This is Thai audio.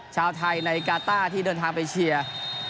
ชาวไทยในกาต้าที่เดินทางไปเชียร์